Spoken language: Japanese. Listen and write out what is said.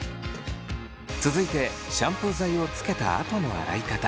続いてシャンプー剤をつけたあとの洗い方。